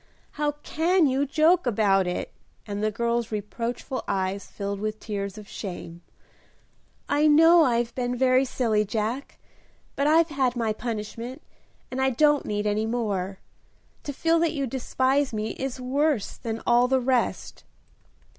"How can you joke about it!" and the girl's reproachful eyes filled with tears of shame. "I know I've been very silly, Jack, but I've had my punishment, and I don't need any more. To feel that you despise me is worse than all the rest."